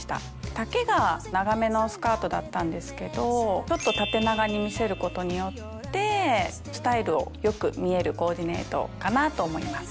丈が長めのスカートだったんですけどちょっと縦長に見せることによってスタイルがよく見えるコーディネートかなと思います。